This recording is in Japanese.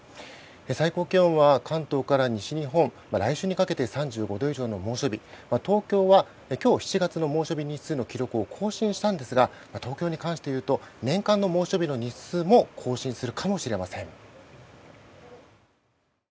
最高気温は関東から西日本来週にかけて３５度以上の猛暑日東京は今日、７月の猛暑日日数の記録を更新したんですが東京に関して言うと年間の猛暑日の日数も更新するかもしれません。